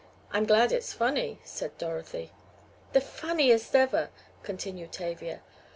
"I'm glad it's funny," said Dorothy. "The funniest ever," continued Tavia.